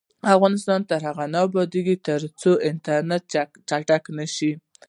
افغانستان تر هغو نه ابادیږي، ترڅو انټرنیټ چټک نشي.